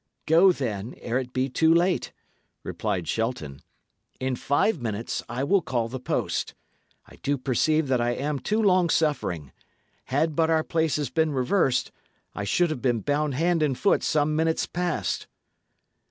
"Go, then, ere it be too late," replied Shelton. "In five minutes I will call the post. I do perceive that I am too long suffering. Had but our places been reversed, I should have been bound hand and foot some minutes past."